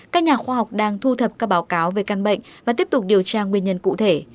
các nhà khoa học đang thu thập các báo cáo về căn bệnh và tiếp tục điều tra nguyên nhân cụ thể